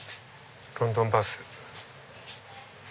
ロンドンバス。